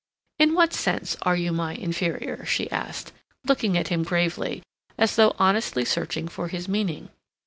"In what sense are you my inferior?" she asked, looking at him gravely, as though honestly searching for his meaning.